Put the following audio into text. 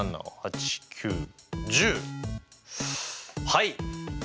はい。